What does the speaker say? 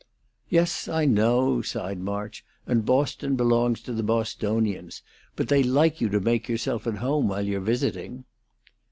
"Yes, I know," sighed March; "and Boston belongs to the Bostonians, but they like you to make yourself at home while you're visiting."